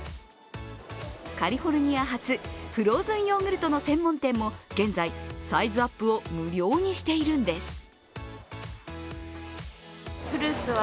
カリフォルニア発、フローズンヨーグルトの専門店も現在、サイズアップを無料にしているんです。